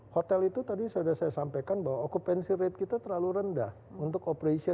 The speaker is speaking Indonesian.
hotel itu tadi sudah saya sampaikan bahwa occupancy rate kita terlalu rendah untuk operation